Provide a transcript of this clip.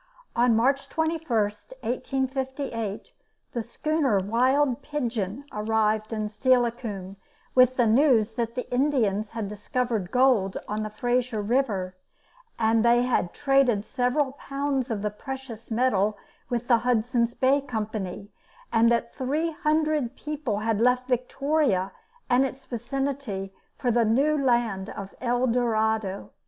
On March 21, 1858, the schooner Wild Pigeon arrived at Steilacoom with the news that the Indians had discovered gold on Fraser River, that they had traded several pounds of the precious metal with the Hudson's Bay Company, and that three hundred people had left Victoria and its vicinity for the new land of El Dorado.